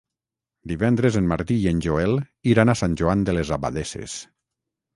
Divendres en Martí i en Joel iran a Sant Joan de les Abadesses.